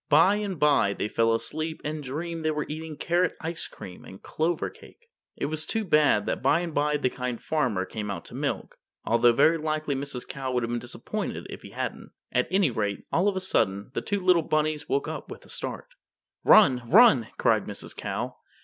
By and by they fell asleep and dreamed they were eating carrot ice cream and clover cake. It was too bad that by and by the Kind Farmer came out to milk, although very likely Mrs. Cow would have been disappointed if he hadn't. At any rate, all of a sudden, the two little rabbits woke up with a start. "Run, run!" cried Mrs. Cow.